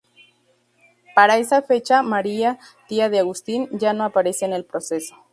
Para esa fecha, María, tía de Agustín, ya no aparece en el proceso.